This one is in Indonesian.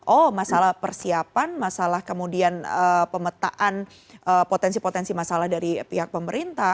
oh masalah persiapan masalah kemudian pemetaan potensi potensi masalah dari pihak pemerintah